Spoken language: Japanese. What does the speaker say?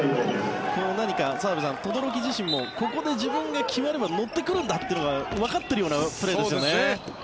何か澤部さん、轟自身もここで自分が決めれば乗ってくるんだというのがわかってるようなプレーですね。